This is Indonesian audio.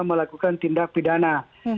melakukan tindak pidana